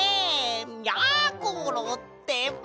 やころってば！